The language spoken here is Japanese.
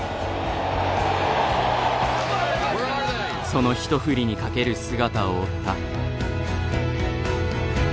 その「一振り」にかける姿を追った。